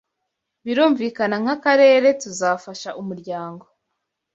Birumvikana nk’akarere tuzafasha umuryango